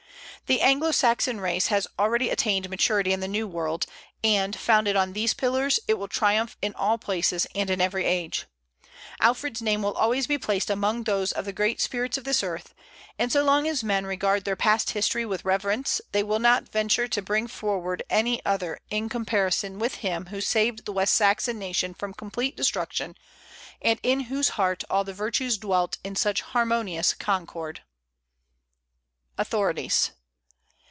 The Anglo Saxon race has already attained maturity in the New World, and, founded on these pillars, it will triumph in all places and in every age. Alfred's name will always be placed among those of the great spirits of this earth; and so long as men regard their past history with reverence they will not venture to bring forward any other in comparison with him who saved the West Saxon nation from complete destruction, and in whose heart all the virtues dwelt in such harmonious concord." AUTHORITIES.